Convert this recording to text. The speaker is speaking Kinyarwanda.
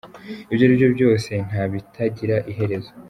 Ibyo ari byo byose, nta bitagira iherezo.